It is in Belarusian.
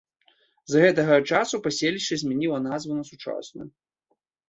З гэтага часу паселішча змяніла назву на сучасную.